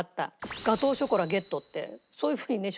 「ガトーショコラゲット！」ってそういうふうにね